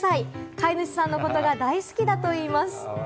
飼い主さんのことが大好きだといいます。